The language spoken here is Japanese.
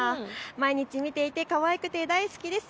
毎日見ていて、かわいくて大好きです。